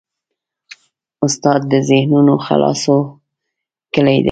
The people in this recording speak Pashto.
استاد د ذهنونو خلاصولو کلۍ ده.